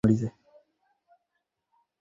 আমরা তাদের আরেকটা চকলেট দেব।